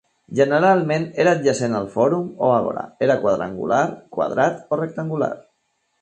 Generalment era adjacent al fòrum o àgora, era quadrangular, quadrat o rectangular.